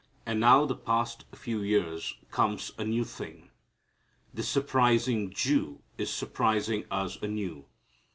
And now the past few years comes a new thing. This surprising Jew is surprising us anew.